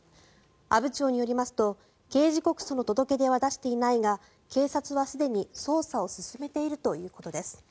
阿武町によりますと、刑事告訴の届け出は出していないが警察はすでに捜査を進めているということです。